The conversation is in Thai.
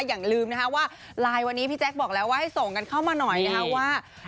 อย่างลืมนะคะว่าไลน์วันนี้พี่แจ๊คบอกแล้วว่าให้ส่งกันเข้ามาหน่อยนะคะว่า